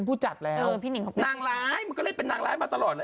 ผู้จัดแล้วเออพี่นิ่งเขาเป็นนางร้ายมันก็เลยเป็นนางร้ายมาตลอดแล้ว